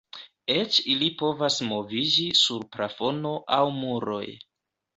Eĉ ili povas moviĝi sur plafono aŭ muroj.